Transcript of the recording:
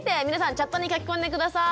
チャットに書き込んで下さい。